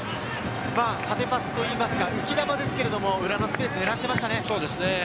縦パスといいますか、浮き球ですが、裏のスペースを狙っていましたね。